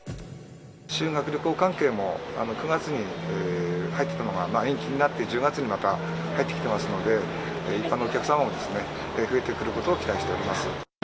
修学旅行関係も９月に入ってたのが延期になって、１０月にまた入ってきてますので、一般のお客様も増えてくることを期待しております。